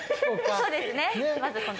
そうですね。